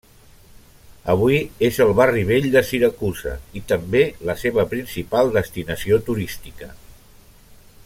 Avui és el barri vell de Siracusa i també la seva principal destinació turística.